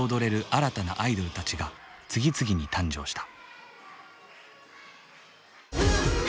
新たなアイドルたちが次々に誕生した。